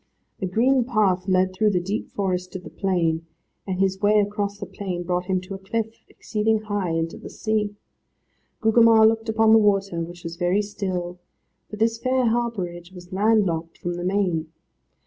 A green path led through the deep forest to the plain, and his way across the plain brought him to a cliff, exceeding high, and to the sea. Gugemar looked upon the water, which was very still, for this fair harbourage was land locked from the main.